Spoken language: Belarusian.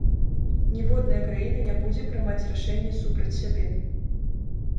Ніводная краіна не будзе прымаць рашэнне супраць сябе.